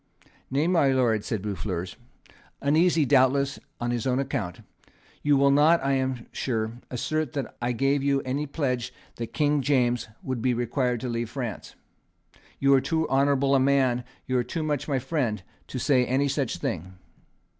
"Nay, my Lord," said Boufflers, uneasy doubtless on his own account, "you will not; I am sure, assert that I gave you any pledge that King James would be required to leave France. You are too honourable a man, you are too much my friend, to say any such thing."